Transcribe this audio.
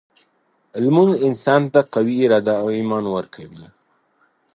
لمونځ انسان ته قوي اراده او ایمان ورکوي.